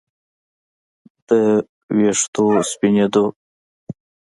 د ویښتو سپینېدو